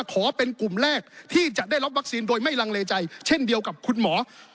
ขอเป็นกลุ่มแรกที่จะได้รับวัคซีนโดยไม่ลังเลใจเช่นเดียวกับคุณหมอ